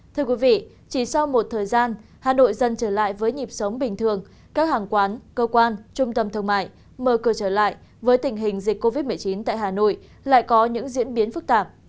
thưa quý vị chỉ sau một thời gian hà nội dần trở lại với nhịp sống bình thường các hàng quán cơ quan trung tâm thương mại mở cửa trở lại với tình hình dịch covid một mươi chín tại hà nội lại có những diễn biến phức tạp